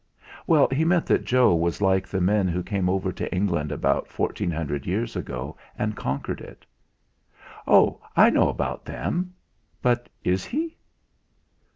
"Well, he meant that Joe was like the men who came over to England about fourteen hundred years ago, and conquered it." "Oh! I know about them; but is he?"